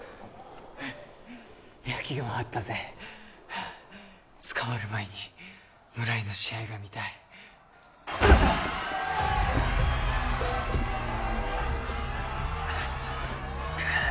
ヘッ焼きが回ったぜ捕まる前に村井の試合が見たいうっ！